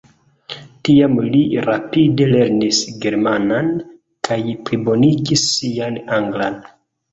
Tiam li rapide lernis germanan kaj plibonigis sian anglan.